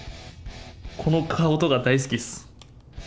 この顔とか大好きっす。